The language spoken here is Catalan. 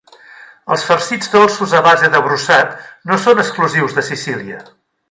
Els farcits dolços a base de brossat no són exclusius de Sicília.